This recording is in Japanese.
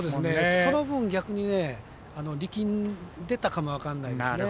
その分、逆に力んでたかも分かんないですね。